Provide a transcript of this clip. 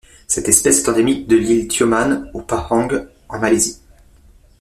Cette espèce est endémique de l'île Tioman au Pahang en Malaisie.